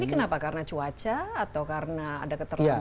ini kenapa karena cuaca atau karena ada keterlambatan